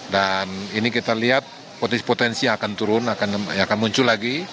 dan ini kita lihat potensi potensi yang akan turun yang akan muncul lagi